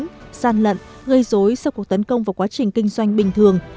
gian lận gây dối sau cuộc tấn công vào quá trình kinh doanh bình thường